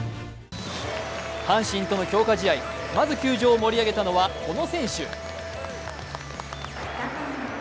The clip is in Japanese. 阪神との強化試合、まず球場を盛り上げたのは、この選手。